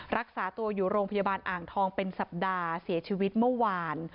รักษาตัวอยู่โรงพยาบาลอ่างทองเป็นสัปดาห์เสียชีวิตเมื่อวาน